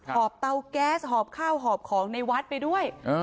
อบเตาแก๊สหอบข้าวหอบของในวัดไปด้วย